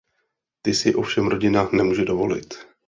Ty si ovšem rodina nemůže dovolit.